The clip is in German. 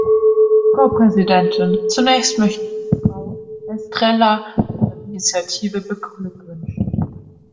Frau Präsidentin, zunächst möchte ich Frau Estrela zu ihrer Initiative beglückwünschen.